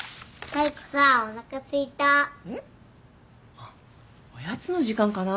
あっおやつの時間かな。